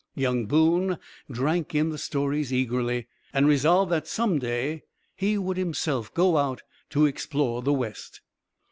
Young Boone drank in the stories eagerly, and resolved that some day he would himself go out to explore the west.